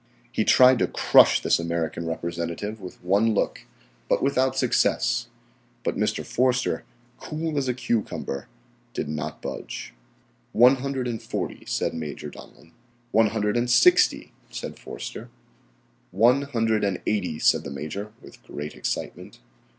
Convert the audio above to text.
He tried to crush this American representative with one look, but without success, but Mr. Forster, cool as a cucumber, did not budge. "One hundred and forty," said Major Donellan. "One hundred and sixty," said Forster. "One hundred and eighty," said the Major, with great excitement.